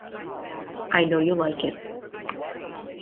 I know you like it.